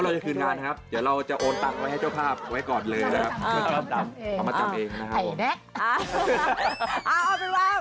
นี่ไงคิดเบอร์ให้เรียบร้อยแล้ว